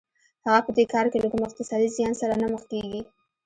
هغه په دې کار کې له کوم اقتصادي زیان سره نه مخ کېږي